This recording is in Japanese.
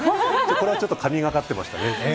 これはちょっと神がかってましたね。